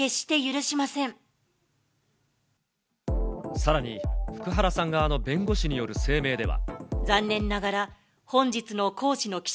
さらに福原さん側の弁護士による声明では。